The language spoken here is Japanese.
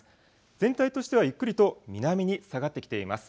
全体としてはゆっくりと南に下がってきています。